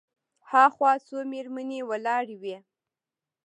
هاخوا څو مېرمنې ولاړې وې.